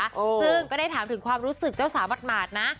ซึ่งก็ได้ถามถึงความรู้สึกเจ้าสาวหมาดนะ